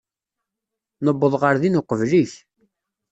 Nuweḍ ɣer din uqbel-ik.